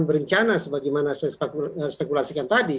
karena jika kita menggunakan kondisi jenazah